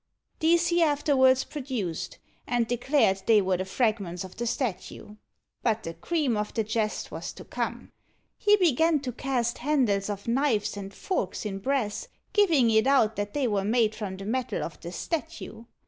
These he afterwards produced, and declared they were the fragments of the statue. But the cream of the jest was to come. He began to cast handles of knives and forks in brass, giving it out that they were made from the metal of the statue.